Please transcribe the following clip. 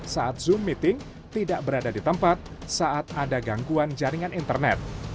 saat zoom meeting tidak berada di tempat saat ada gangguan jaringan internet